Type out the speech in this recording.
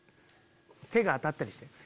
手が当たったりして。